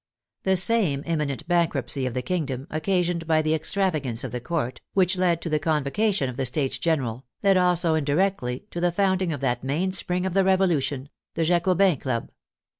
The same imminent bankruptcy of the kingdom, occasioned by the extravagance of the Court, which led to the convocation of the States General, led also indirectly to the founding of that main spring of the Revolution, the Jacobins' Club.